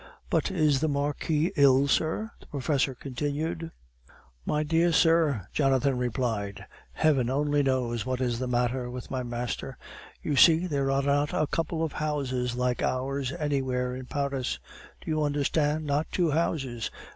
"But is the Marquis ill, sir?" the professor continued. "My dear sir," Jonathan replied, "Heaven only knows what is the matter with my master. You see, there are not a couple of houses like ours anywhere in Paris. Do you understand? Not two houses.